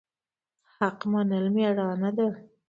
حق منل میړانه ده